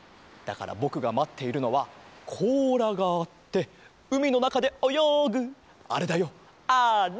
だからぼくがまっているのはこうらがあってうみのなかでおよぐあれだよあれ！